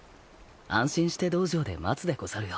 安心して道場で待つでござるよ。